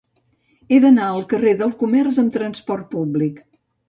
He d'anar al carrer del Comerç amb trasport públic.